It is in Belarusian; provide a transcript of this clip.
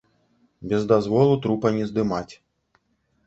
Без дазволу трупа не здымаць.